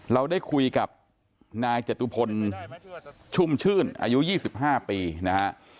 เราได้คุยกับนายจตุพลชุ่มชื่นอายุ๒๕ปีนะฮะ